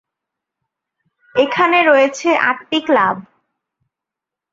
এখানে রয়েছে আটটি ক্লাব।